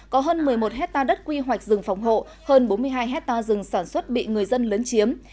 có hơn một mươi một hectare đất quy hoạch rừng phòng hộ hơn bốn mươi hai hectare rừng sản xuất bị người dân lấn chiếm